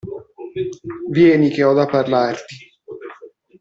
Vieni che ho da parlarti.